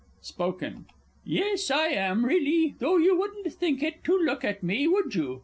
_ Spoken Yes, I am really, though you wouldn't think it to look at me, would you?